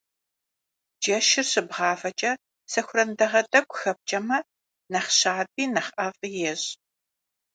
Джэшыр щыбгъавэкӀэ сэхуран дагъэ тӀэкӀу хэпкӀэмэ, нэхъ щаби, нэхъ ӀэфӀи ещӀ.